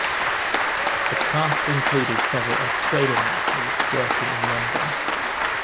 The cast included several Australian actors working in London.